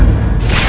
yang ada di bawahku